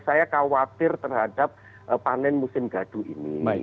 saya khawatir terhadap panen musim gadu ini